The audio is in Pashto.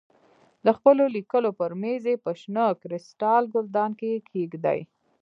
د خپلو لیکلو پر مېز یې په شنه کریسټال ګلدان کې کېږدې.